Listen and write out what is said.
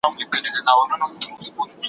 مړ په څه سو، چي ساه ئې و خته.